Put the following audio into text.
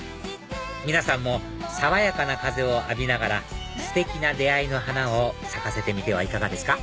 皆さんも爽やかな風を浴びながらステキな出会いの花を咲かせてみてはいかがですか？